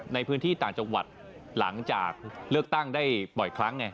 ในพื้นที่ต่างจังหวัดหลังจากเลือกตั้งได้บ่อยครั้งไง